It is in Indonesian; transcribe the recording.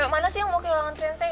mana sih yang mau kehilangan strensai